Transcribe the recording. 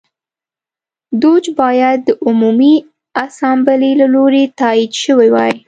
دوج باید د عمومي اسامبلې له لوري تایید شوی وای